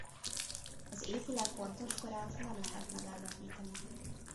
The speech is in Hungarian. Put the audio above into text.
Az épület pontos korát nem lehet megállapítani.